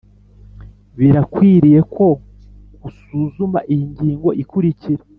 Birakwiriye ko usuzuma iyi ngingo ikurikira